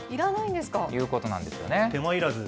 ということなんですよね。